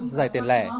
giải tiền lẻ trộm cắp